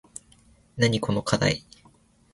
なにこのかだい